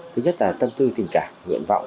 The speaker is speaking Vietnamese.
thứ nhất là tâm tư tình cảm nguyện vọng